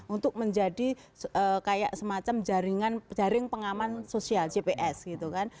untuk menjadi kayak semacam jaring pengaman sosial jps gitu kan